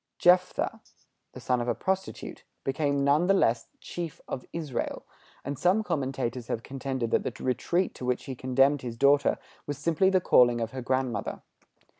Jephtha, the son of a prostitute, became none the less chief of Israel; and some commentators have contended that the retreat to which he condemned his daughter was simply the calling of her grandmother.